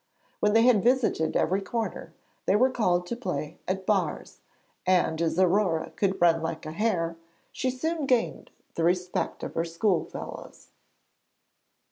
When they had visited every corner, they were called to play at 'bars,' and as Aurore could run like a hare, she soon gained the respect of her schoolfellows.